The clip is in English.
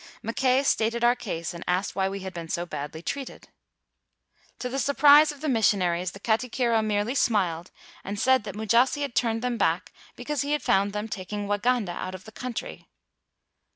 Mackay stated our case and asked why we had been so badly treated." To the surprise of the missionaries, the katikiro merely smiled and said that Mu jasi had turned them back because he found them taking Waganda out of the country.